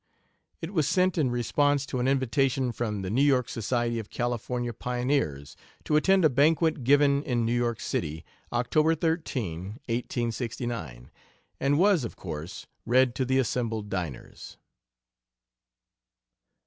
It was sent in response to an invitation from the New York Society of California Pioneers to attend a banquet given in New York City, October 13, 1869, and was, of course, read to the assembled diners.